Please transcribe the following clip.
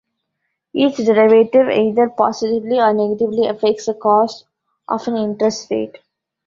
Each derivative either positively or negatively affects the cost of an interest rate.